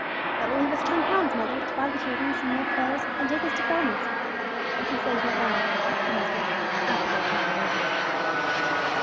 "That will leave us ten pounds, mother, to buy the children some new clothes, and take us to Fellness. What do you say to it now?" asked her husband, after they had talked it over.